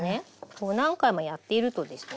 こう何回もやっているとですね